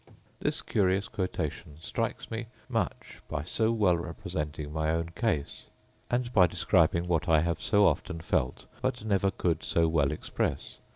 This curious quotation strikes me much by so well representing my own case, and by describing what I have so often felt, but never could so well express.